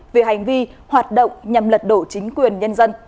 về hành vi hoạt động nhằm lật đổ chính quyền nhân dân